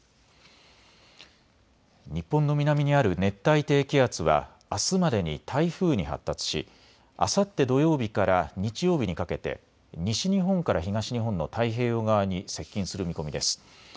日本の南にある熱帯低気圧はあすまでに台風に発達しあさって土曜日から日曜日にかけて西日本から東日本の太平洋側に接近する見込みです。